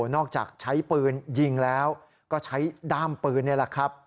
จากใช้ปืนยิงแล้วก็ใช้ด้ามปืนนี่แหละครับ